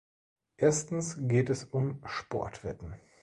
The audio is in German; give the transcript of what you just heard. Erstens geht es um Sportwetten.